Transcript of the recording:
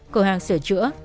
cửa hàng sửa chữa